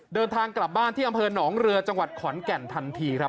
เดินทางกลับบ้านที่อำเภอหนองเรือจังหวัดขอนแก่นทันทีครับ